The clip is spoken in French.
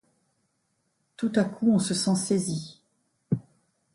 Tout à coup on se sent saisi.